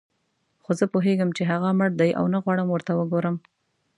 خو زه پوهېږم چې هغه مړ دی او نه غواړم ورته وګورم.